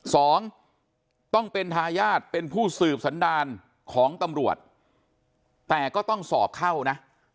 สองต้องเป็นทายาทเป็นผู้สืบสันดารของตำรวจแต่ก็ต้องสอบเข้านะ